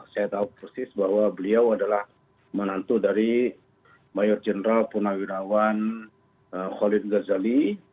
saya tahu persis bahwa beliau adalah menantu dari mayor jenderal purnawirawan khalid ghazali